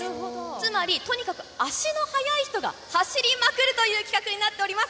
つまりとにかく足の速い人が走りまくるという企画になっております。